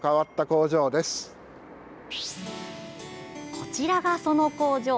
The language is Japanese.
こちらが、その工場。